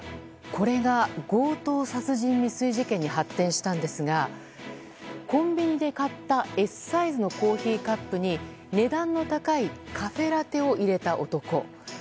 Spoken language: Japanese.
これが強盗殺人未遂事件に発展したんですがコンビニで買ったＳサイズのコーヒーカップに値段の高いカフェラテを入れた男。